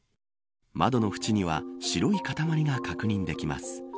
窓の縁には白い塊が確認できます。